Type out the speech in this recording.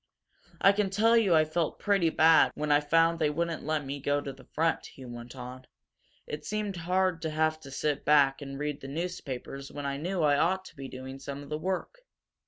"I can tell you I felt pretty bad when I found they wouldn't let me go to the front," he went on. "It seemed hard to have to sit back and read the newspapers when I knew I ought to be doing some of the work.